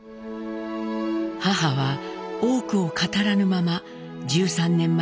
母は多くを語らぬまま１３年前に死去。